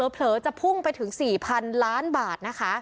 เผลอจะพุ่งไปถึง๔พันล้านบาท